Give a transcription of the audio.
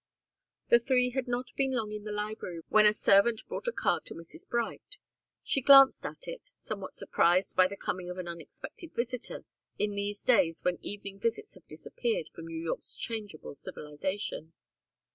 The three had not been long in the library when a servant brought a card to Mrs. Bright. She glanced at it, somewhat surprised by the coming of an unexpected visitor, in these days when evening visits have disappeared from New York's changeable civilization.